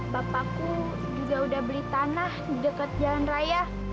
bapakku juga udah beli tanah deket jalan raya